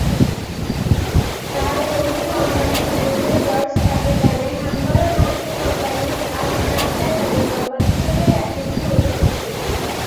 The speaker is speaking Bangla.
তার বন্ধু কোম্পানীর ম্যানেজার জর্জ তাকে জানায় নামকরা মার্কিন কোম্পানি আটলান্টা তাদের কোম্পানীর সাথে একত্র হতে ইচ্ছুক।